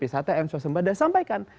htm swasembad dan sampaikan